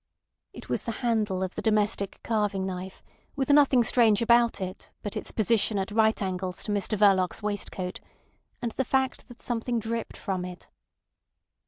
It was the handle of the domestic carving knife with nothing strange about it but its position at right angles to Mr Verloc's waistcoat and the fact that something dripped from it.